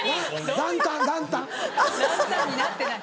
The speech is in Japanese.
ランタンになってない。